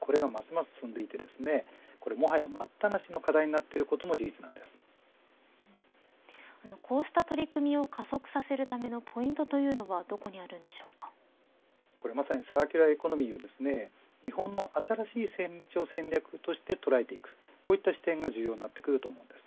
これがますます進んでいってもはや待ったなしの課題にこうした取り組みを加速させるためのポイントというのはまさにサーキュラーエコノミーは日本の新しい成長戦略として捉えていくこういった視点が重要になってくると思います。